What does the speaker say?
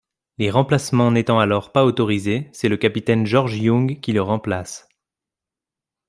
Les remplacements n'étant alors pas autorisés c'est le capitaine George Young qui le remplace.